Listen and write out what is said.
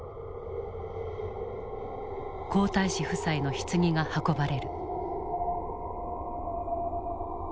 皇太子夫妻のひつぎが運ばれる。